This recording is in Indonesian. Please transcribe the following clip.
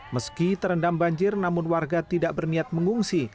meski terendam banjir namun warga tidak berniat mengungsi